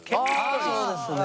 ・あそうですね。